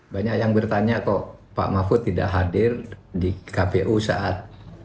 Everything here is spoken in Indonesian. banyak yang bertanya kok pak mahfud tidak hadir di kpu saat